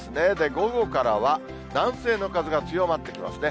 午後からは南西の風が強まってきますね。